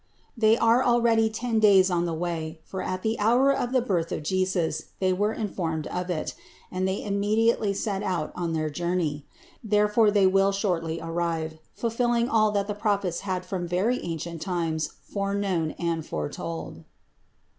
They are already ten days on the way ; for at the hour of the birth of Jesus they were informed of it, and they immediately set out on their journey. Therefore they will shortly arrive, fulfilling all that the Prophets had from very ancient times foreknown and foretold."